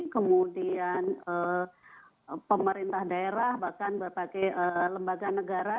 kemudian pemerintah daerah bahkan berbagai lembaga negara